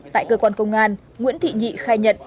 tại cơ quan công an nguyễn thị nhị khai nhận